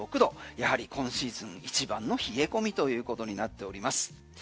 やはり今シーズン一番の冷え込みということになっております。